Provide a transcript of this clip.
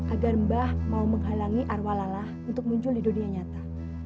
agar mbah mau menghalangi arwalalah untuk muncul di dunia nyata